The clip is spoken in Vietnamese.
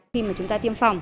khi mà chúng ta tiêm phòng